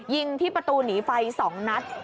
ยิงที่ประตูหนีไฟ๒นัด